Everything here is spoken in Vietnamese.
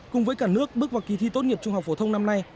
cùng với cả nước bước vào kỳ thi tốt nghiệp trung học phổ thông năm nay